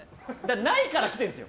ないから来ているんですよ！